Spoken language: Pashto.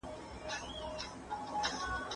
فساد کوونکي په ځمکه کي د ژوند حق له لاسه ورکوي.